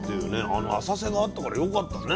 あの浅瀬があったからよかったね。